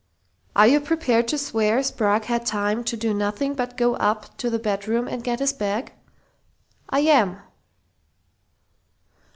"Are you prepared to swear Sprague had time to do nothing but go up to the bedroom and get his bag?" "I am!"